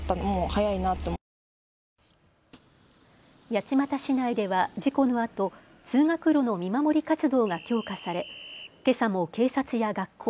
八街市内では事故のあと通学路の見守り活動が強化されけさも警察や学校